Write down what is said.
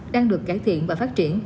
đang được cải thiện và phát triển